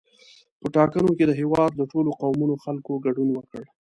په ټاکنو کې د هېواد له ټولو قومونو خلکو ګډون وکړ.